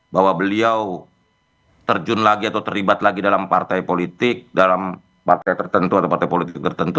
bahwa beliau terjun lagi atau terlibat lagi dalam partai politik dalam partai tertentu atau partai politik tertentu